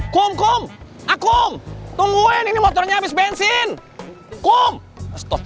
kum kum akung tungguin ini motornya habis bensin kum stop